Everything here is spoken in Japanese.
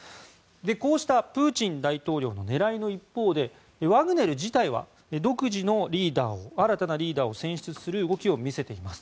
こうしたプーチン大統領の狙いの一方でワグネル自体は新たな独自のリーダーを選出する動きを見せています。